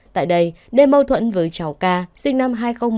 tại đây đêm mâu thuẫn với cháu k sinh năm hai nghìn một mươi hai